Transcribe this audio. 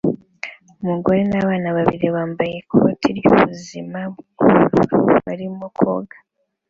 Umugore nabana babiri bambaye ikoti ryubuzima bwubururu barimo koga